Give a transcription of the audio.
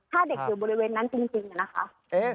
ถ้าเด็กอยู่บริเวณนั้นจริงนะคะ